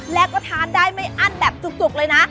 แล้วก็ทานได้ไม่อั้นแบบจุกเลยนะ